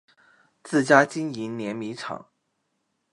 自家经营碾米厂